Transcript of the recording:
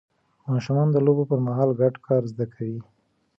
ماشومان د لوبو پر مهال ګډ کار زده کوي